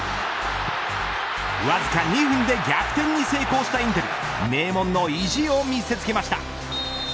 わずか２分で逆転に成功したインテル名門の意地を見せつけました。